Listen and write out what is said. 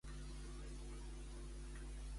Què ha matisat, Mas?